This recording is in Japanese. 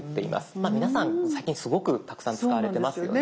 今皆さん最近すごくたくさん使われてますよね。